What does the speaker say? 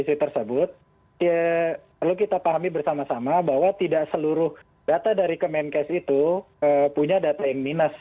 ketika kita berdiri dengan perbedaan selisih tersebut perlu kita pahami bersama sama bahwa tidak seluruh data dari kemenkes itu punya data yang minus